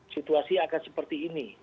situasi akan seperti ini